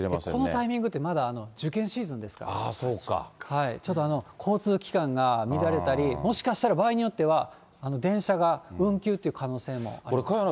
このタイミングって、まだ受験シーズンですから、ちょっと交通機関が乱れたり、もしかしたら場合によっては、電車が運休という可能性もあります。